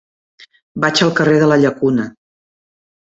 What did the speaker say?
Vaig al carrer de la Llacuna.